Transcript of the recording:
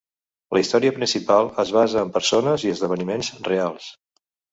La història principal es basa en persones i esdeveniments reals.